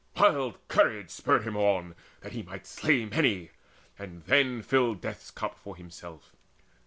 Wild courage spurred him on, that he might slay Many and then fill death's cup for himself.